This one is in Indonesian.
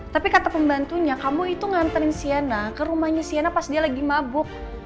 tapi kata pembantunya kamu itu nganterin siana ke rumahnya siana pas dia lagi mabuk